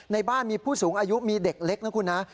ในบ้านมีผู้สูงอายุมีเด็กเล็กนะคุณนะ